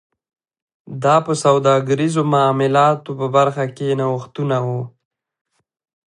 دا په سوداګریزو معاملاتو په برخه کې نوښتونه و